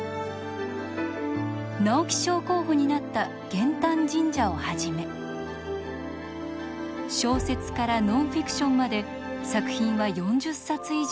直木賞候補になった「減反神社」をはじめ小説からノンフィクションまで作品は４０冊以上。